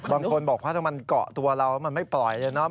บางคนบอกว่าถ้ามันเกาะตัวเรามันไม่ปล่อยเลยเนาะ